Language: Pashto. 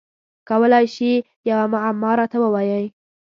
کولای شی یوه معما راته ووایی؟